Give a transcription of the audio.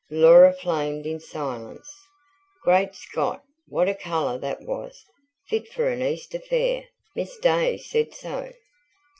Laura flamed in silence. "Great Scott, what a colour that was! Fit for an Easter Fair Miss Day said so."